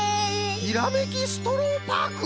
ひらめきストローパーク！？